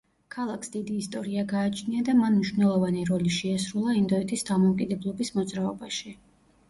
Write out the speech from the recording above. ქალაქს დიდი ისტორია გააჩნია და მან მნიშვნელოვანი როლი შეასრულა ინდოეთის დამოუკიდებლობის მოძრაობაში.